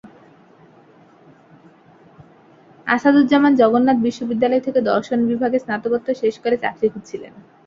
আসাদুজ্জামান জগন্নাথ বিশ্ববিদ্যালয় থেকে দর্শন বিভাগে স্নাতকোত্তর শেষ করে চাকরি খুঁজছিলেন।